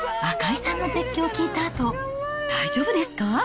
赤井さんの絶叫を聞いたあと、大丈夫ですか？